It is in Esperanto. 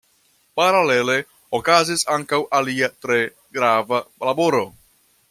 Paralele okazis ankaŭ alia tre grava laboro.